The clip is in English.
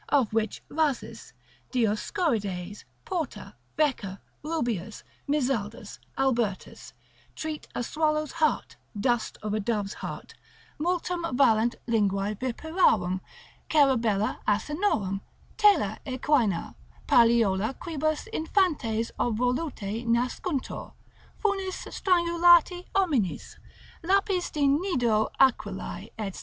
of which Rhasis, Dioscorides, Porta, Wecker, Rubeus, Mizaldus, Albertus, treat: a swallow's heart, dust of a dove's heart, multum valent linguae viperarum, cerebella asinorum, tela equina, palliola quibus infantes obvoluti nascuntur, funis strangulati hominis, lapis de nido Aquilae, &c.